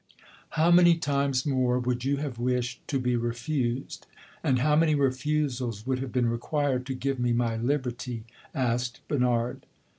"How many times more would you have wished to be refused, and how many refusals would have been required to give me my liberty?" asked Bernard.